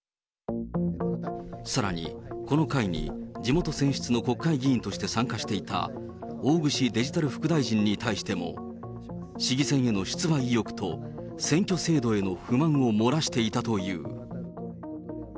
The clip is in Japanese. さらに、この会に地元選出の国会議員として参加していた、大串デジタル副大臣に対しても、市議選への出馬意欲と選挙制度への不満を漏らしていたという。